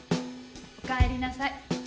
おかえりなさい。